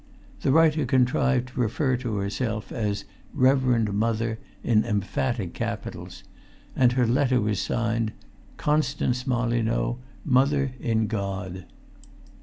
The writer contrived to refer to herself as "Reverend Mother," in emphatic capitals, and her letter was signed "Constance Molyneux, Mother in God."